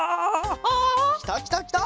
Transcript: きたきたきた！